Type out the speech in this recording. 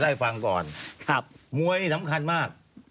สมินพยานจรรย์นี่สำคัญมาก